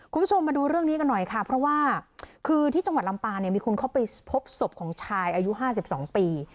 คุณผู้ชมมาดูเรื่องนี้กันหน่อยค่ะเพราะว่าคือที่จังหวัดลำปางเนี่ยมีคนเข้าไปพบศพของชายอายุ๕๒ปี